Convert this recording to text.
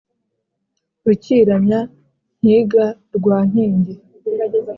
Rukiranya-nkiga rwa Nkingi